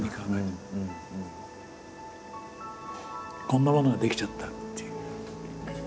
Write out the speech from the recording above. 「こんなものができちゃった」っていう。